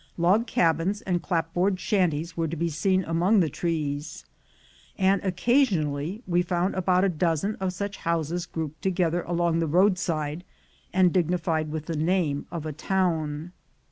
Log cabins and clap board shanties were to be seen among the trees; and occasionally we found about a dozen of such houses grouped together by the roadside, and dignified with the name of a town.